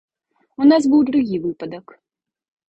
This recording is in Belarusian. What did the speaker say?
У нас быў другі выпадак.